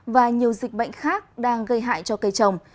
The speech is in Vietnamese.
và nhiều dịch bệnh khác đang gây hại cho cây trồng